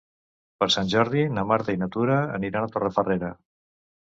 Per Sant Jordi na Marta i na Tura aniran a Torrefarrera.